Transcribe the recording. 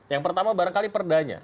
yang pertama barangkali perdanya